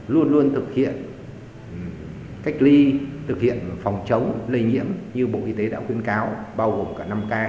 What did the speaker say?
luôn luôn thực hiện cách ly thực hiện phòng chống lây nhiễm như bộ y tế đã khuyến cáo